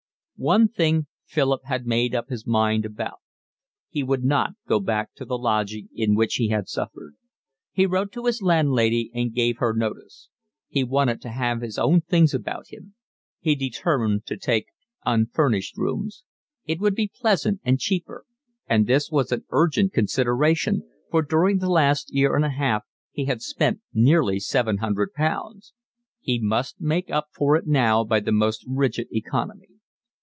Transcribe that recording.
One thing Philip had made up his mind about. He would not go back to the lodgings in which he had suffered. He wrote to his landlady and gave her notice. He wanted to have his own things about him. He determined to take unfurnished rooms: it would be pleasant and cheaper; and this was an urgent consideration, for during the last year and a half he had spent nearly seven hundred pounds. He must make up for it now by the most rigid economy.